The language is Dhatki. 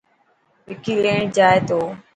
وڪي ليڻ جائي تو.